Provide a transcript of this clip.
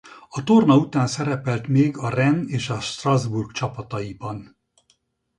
A torna után szerepelt még a Rennes és a Strasbourg csapataiban.